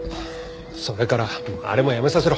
それからあれもやめさせろ。